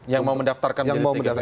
yang mau mendaftarkan jadi tgpf tersebut